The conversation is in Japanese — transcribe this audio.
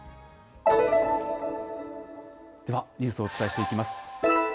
ではニュースをお伝えしていきます。